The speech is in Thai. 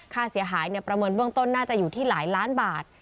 ค่าเสียหายประเมินเบื้องต้นน่าจะอยู่ที่หลายล้านบาท